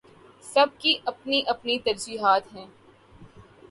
سب کی اپنی اپنی ترجیحات ہیں۔